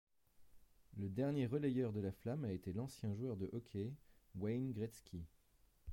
Le dernier relayeur de la flamme a été l'ancien joueur de hockey Wayne Gretzky.